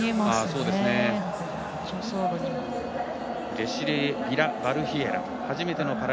デシレエ・ビラバルヒエラ。